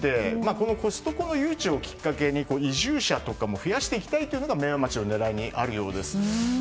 このコストコの誘致をきっかけに移住者とかも増やしていきたいというのが明和町の狙いにあるようです。